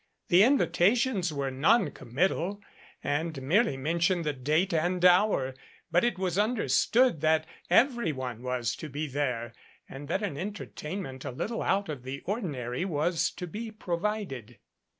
The invitations were noncommittal and merely mentioned the date and hour, but it was understood that "everyone" was to be there, and that an entertainment a little out of the ordinary was to be provided.